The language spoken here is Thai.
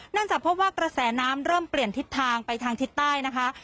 จากพบว่ากระแสน้ำเริ่มเปลี่ยนทิศทางไปทางทิศใต้นะคะ